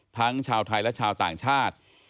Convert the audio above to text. ทั้งชาวไทยและชาวต่างชาติ